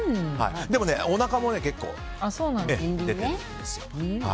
おなかも結構出ているんですよ。